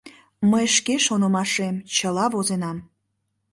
Мый шке шонымашем чыла возенам.